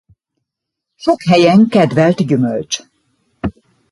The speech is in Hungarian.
Sok helyen kedvelt gyümölcs.